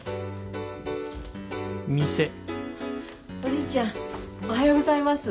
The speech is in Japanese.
おじいちゃんおはようございます。